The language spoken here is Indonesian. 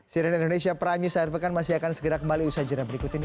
siren indonesia prime news akhir pekan masih akan segera kembali usaha jenah berikut ini